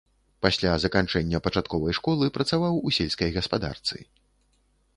Пасля заканчэння пачатковай школы працаваў у сельскай гаспадарцы.